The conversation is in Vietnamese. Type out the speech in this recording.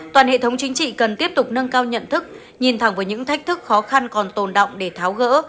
toàn hệ thống chính trị cần tiếp tục nâng cao nhận thức nhìn thẳng với những thách thức khó khăn còn tồn động để tháo gỡ